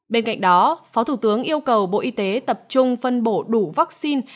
bên cạnh đó phó thủ tướng yêu cầu bộ y tế tập trung phân bổ đủ vaccine